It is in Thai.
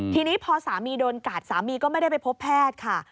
ทีนี้พอสามีโดนกัดสามีก็ไม่ได้ไปพบแพทย์ค่ะ